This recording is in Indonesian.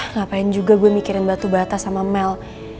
ngapain juga gue mikirin batu bata sama mel